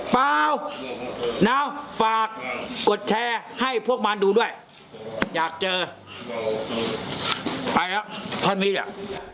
เปล่าแล้วฝากกดแชร์ให้พวกมันดูด้วยอยากเจอไปแล้วพร้อมดีเหรอ